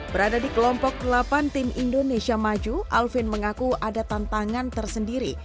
berada di kelompok delapan tim indonesia maju alvin mengaku ada tantangan tersendiri